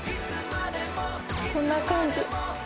こんな感じ？